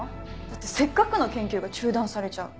だってせっかくの研究が中断されちゃう。